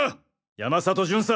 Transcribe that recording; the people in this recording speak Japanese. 山里巡査！